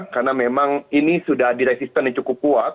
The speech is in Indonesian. karena memang ini sudah diresisten yang cukup kuat